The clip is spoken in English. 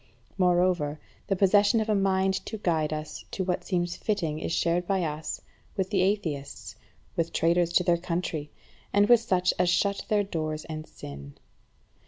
Moreover, the possession of a mind to guide us to what seems fitting is shared by us, with atheists, with traitors to their country, and with such as shut their doors and sin.